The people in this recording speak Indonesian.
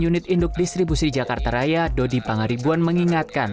unit induk distribusi jakarta raya dodi pangaribuan mengingatkan